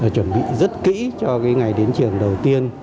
chuẩn bị rất kỹ cho ngày đến trường đầu tiên